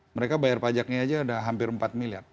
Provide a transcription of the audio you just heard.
mereka bayar pajaknya aja ada hampir empat miliar